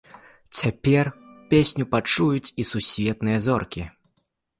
Цяпер песню пачуюць і сусветныя зоркі!